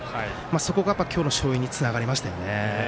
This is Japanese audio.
そこが今日の勝因につながりましたよね。